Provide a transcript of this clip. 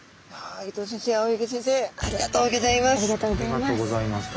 ありがとうございます。